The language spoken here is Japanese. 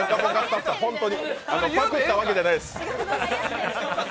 パクッたわけじゃないです。